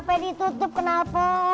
sampai ditutup kenapa